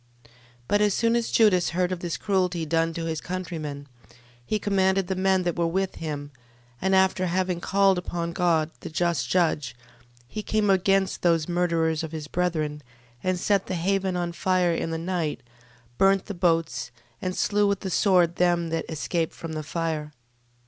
12:5. But as soon as Judas heard of this cruelty done to his countrymen, he commanded the men that were with him: and after having called upon God, the just judge, 12:6. He came against those murderers of his brethren, and set the haven on fire in the night, burnt the boats, and slew with the sword them that escaped from the fire.